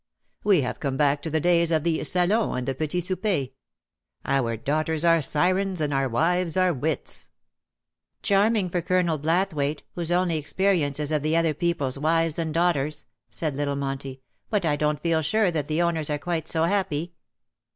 We have come back to the days of the salon and the petit souper. Our daughters are sirens and our wives are wits." " Charming for Colonel Blathwayt, whose only experience is of other people^s wives and daughters/^ said little Monty. " But I don^t feel sure that the owners are quite so happy